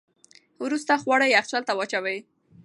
وروسته خواړه یخچال ته واچوئ.